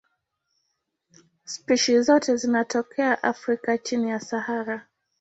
Spishi zote zinatokea Afrika chini ya Sahara.